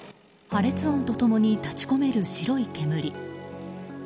破裂音と共に立ち込める白い煙。